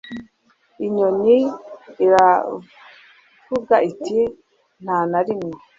inyoni iravuga iti nta na rimwe